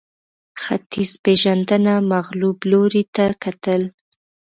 ختیځپېژندنه مغلوب لوري ته کتل